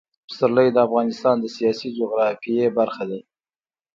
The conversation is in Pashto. پسرلی د افغانستان د سیاسي جغرافیه برخه ده.